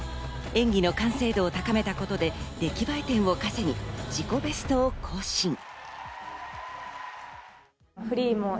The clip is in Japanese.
演技の完成度を高めたことで、出来栄え点を稼ぎ自己ベストを更新。